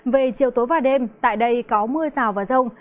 về chiều tối và đêm tại đây có mưa rào và rông